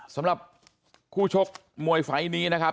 แต่ว่านี่ไม่เคย